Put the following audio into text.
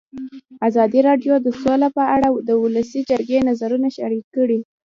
ازادي راډیو د سوله په اړه د ولسي جرګې نظرونه شریک کړي.